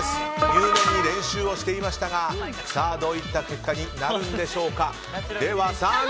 入念に練習をしていましたがどういった結果になるんでしょうか。